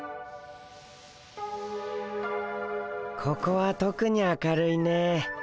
ここはとくに明るいね。